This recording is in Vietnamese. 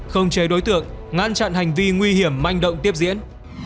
không chế đối tượng ngăn chặn hành vi nguy hiểm manh động tiếp diễn